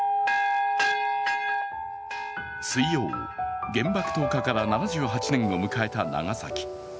水曜、原爆投下から７８年を迎えた長崎。